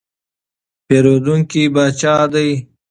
پیرودونکی پاچا دی.